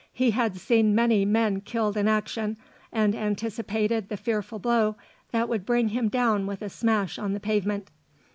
He had seen many men killed in action, and anticipated the fearful blow that would bring him down with a smash on the pavement.